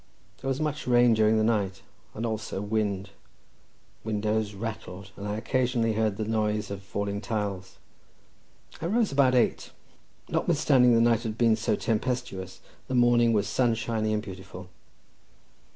There was much rain during the night, and also wind; windows rattled, and I occasionally heard the noise of falling tiles. I arose about eight. Notwithstanding the night had been so tempestuous, the morning was sunshiny and beautiful.